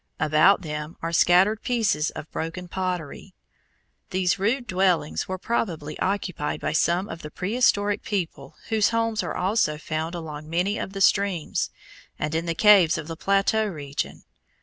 About them are scattered pieces of broken pottery. These rude dwellings were probably occupied by some of the prehistoric people whose homes are also found along many of the streams, and in the caves of the plateau region.